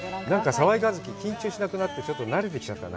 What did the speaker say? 澤井一希、緊張しなくなって、ちょっと慣れてきちゃったな。